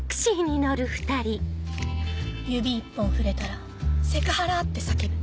指一本触れたら「セクハラ！」って叫ぶ